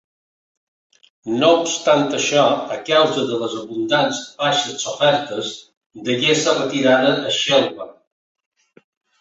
No obstant això, a causa de les abundants baixes sofertes, degué ser retirada a Xelva.